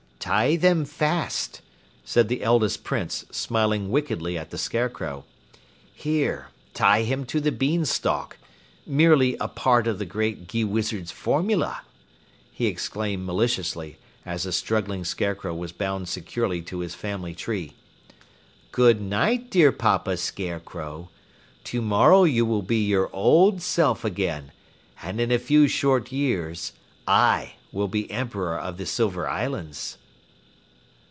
"Tie them fast," said the eldest Prince, smiling wickedly at the Scarecrow. "Here, tie him to the beanstalk. Merely a part of the Grand Gheewizard's formula," he exclaimed maliciously as the struggling Scarecrow was bound securely to his family tree. "Good night, dear papa Scarecrow. Tomorrow you will be your old self again, and in a few short years I will be Emperor of the Silver Islands!"